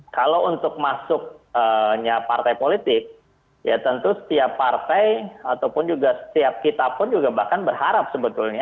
kalau untuk masuknya partai politik ya tentu setiap partai ataupun juga setiap kita pun juga bahkan berharap sebetulnya